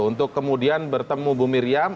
untuk kemudian bertemu bu miriam